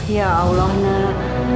ya allah nak